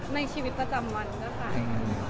ก็ในชีวิตประจำวันก็ใช้